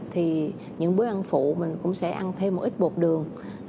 thì những bữa ăn phụ mình cũng sẽ ăn thêm một ít bột đường